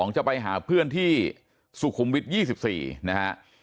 จะไปหาเพื่อนที่สุขุมวิทย์๒๔นะฮะ